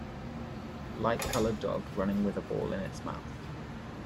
Light colored dog running with a ball in its mouth.